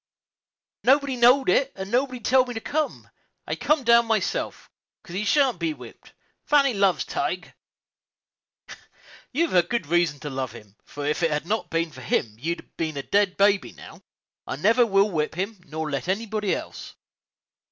"Nobody knowed it, and nobody telled me to come; I comed my own self, 'cause he shan't be whipped. Fannie loves Tige." "You've good reason to love him, for if it had not been for him you'd been a dead baby now. I never will whip him, nor let anybody else."